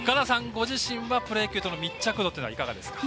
ご自身はプロ野球との密着度はいかがですか？